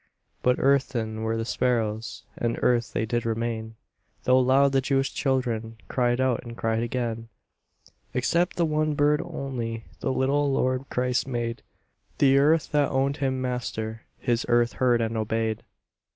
But earthen were the sparrows, And earth they did remain, Though loud the Jewish children Cried out, and cried again. Except the one bird only The little Lord Christ made; The earth that owned Him Master, His earth heard and obeyed.